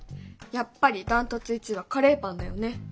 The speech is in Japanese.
やっぱり断トツ１位はカレーパンだよね。